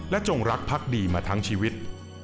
จงรักพักดีมาทั้งชีวิต